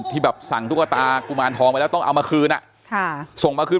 ที่แบบสั่งตุ๊กตากุมารทองไปแล้วต้องเอามาคืนอ่ะค่ะส่งมาคืน